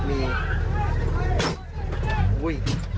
ไม่รู้